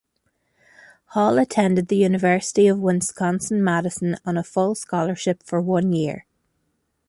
Hall attended the University of Wisconsin-Madison on a full scholarship for one year.